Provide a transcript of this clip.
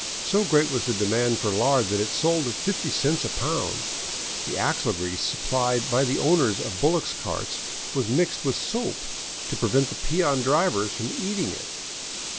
So great was the demand for lard that it sold at 50 cents a pound; the axle grease supplied by the owners of bullock carts was mixed with soap to prevent the peon drivers from eating it.